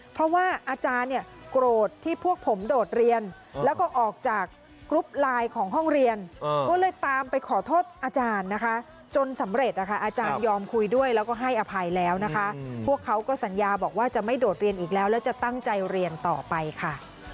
เพราะว่าอาจารย์เนี่ยโกรธที่พวกผมโดดเรียนแล้วก็ออกจากกรุ๊ปไลน์ของห้องเรียนก็เลยตามไปขอโทษอาจารย์นะคะจนสำเร็จนะคะอาจารยอมคุยด้วยแล้วก็ให้อภัยแล้วนะคะพวกเขาก็สัญญาบอกว่าจะไม่โดดเรียนอีกแล้วแล้วจะตั้งใจเรียนต่อไปค่ะ